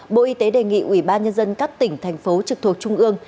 bộ y tế đề nghị ubnd các tỉnh thành phố trực thuộc trung ương